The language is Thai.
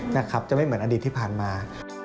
นะครับจะไม่เหมือนอดีตที่ผ่านมา